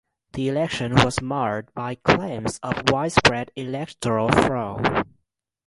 The election was marred by claims of widespread electoral fraud.